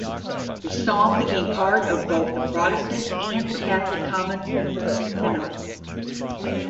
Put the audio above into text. The song became part of both the Protestant and the Catholic common hymnals.